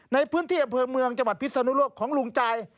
ในพื้นที่อำเภอเมืองจังหวัดพิศนุโลกของลุงใจ